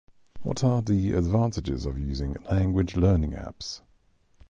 What are the advantages of using language learning apps?